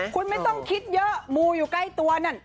คุณไม่ต้องคิดเยอะมูอยู่ใกล้ตัวนั่น